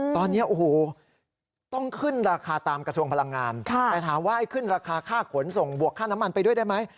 ตอนนี้โอ้โหต้องขึ้นราคาตามกระทรวงพลังงานแต่ถามว่าให้ขึ้นราคาค่าขนส่งบวกค่าน้ำมันไปด้วยได้ไหม